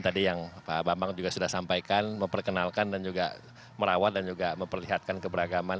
tadi yang pak bambang juga sudah sampaikan memperkenalkan dan juga merawat dan juga memperlihatkan keberagaman